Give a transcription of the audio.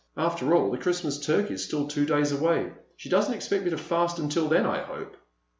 After all, the Christmas turkey is still two days away. She doesn't expect me to fast until then, I hope."